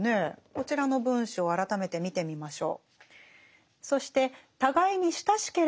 こちらの文章を改めて見てみましょう。